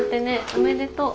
おめでとう。